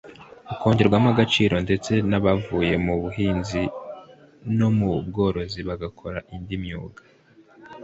ukogererwa agaciro; ndetse n'abavuye mu buhinzi no mu bworozi bagakora indi myuga